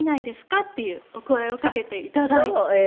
っていうお声をかけて頂いて。